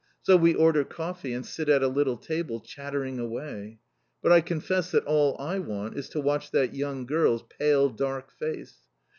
So we order coffee and sit at a little table, chattering away. But I confess that all I want is to watch that young girl's pale, dark face.